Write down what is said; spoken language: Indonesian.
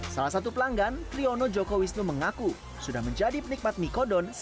salah satu pelanggan cliono joko wisnu mengaku sudah menjadi penikmat mikodon sejak tahun seribu sembilan ratus enam puluh